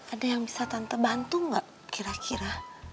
ada yang bisa tante bantu gak kira kira